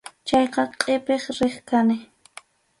Chayqa qʼipiq riq kani.